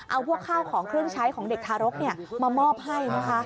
เอาพวกข้าวของเครื่องใช้ของเด็กทารกมามอบให้นะคะ